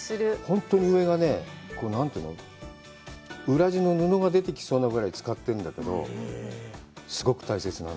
本当に上がね、何というの、裏地の布が出てきそうなぐらい使っているんだけど、すごく大切なの。